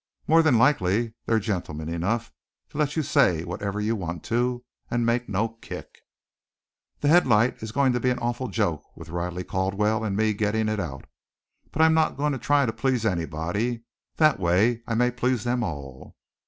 "More than likely they're gentlemen enough to let you say whatever you want to, and make no kick." "The Headlight is going to be an awful joke with Riley Caldwell and me getting it out. But I'm not going to try to please anybody. That way I may please them all."